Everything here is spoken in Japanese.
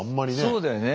そうだよね。